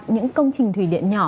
những công trình thủy điện nhỏ